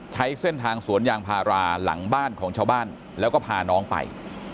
ใช้เส้นทางสวนยางพาราหลังบ้านของชาวบ้านแล้วก็พาน้องไป